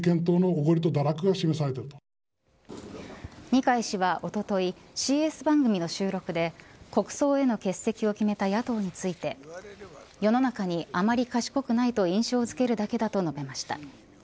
二階氏は、おとといＣＳ番組の収録で国葬への欠席を決めた野党について世の中にあまり賢くないと印象づけるだけだと述べました。